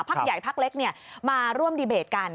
ใหญ่พักเล็กมาร่วมดีเบตกัน